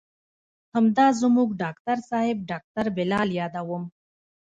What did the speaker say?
همدا زموږ ډاکتر صاحب ډاکتر بلال يادوم.